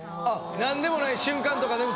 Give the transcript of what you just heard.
何でもない瞬間とかでも。